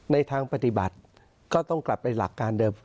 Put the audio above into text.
ในทางปฏิบัติก็ต้องกลับไปหลักการเดิม